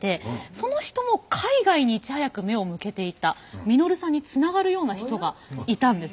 その人も海外にいち早く目を向けていた稔さんにつながるような人がいたんです。